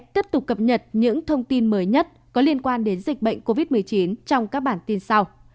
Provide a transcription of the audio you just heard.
tiếp tục cập nhật những thông tin mới nhất có liên quan đến dịch bệnh covid một mươi chín trong các bản tin sau